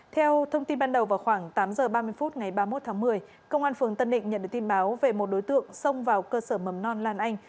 theo thông tin ban đầu vào khoảng tám h ba mươi phút ngày ba mươi một tháng một mươi công an phường tân định nhận được tin báo về một đối tượng xông vào cơ sở mầm non lan anh